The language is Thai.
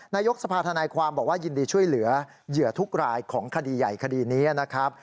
นายกสภาธนายความบอกว่ายินดีช่วยเหลือเหยื่อทุกรายของคดีใหญ่คดีนี้นะครับ